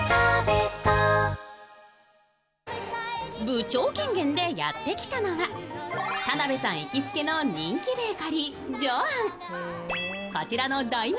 部長権限でやってきたのは、田辺さん行きつけの人気ベーカリー・ジョアン。